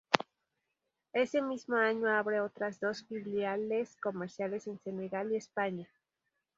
Ese mismo año abre otras dos filiales comerciales en Senegal y España.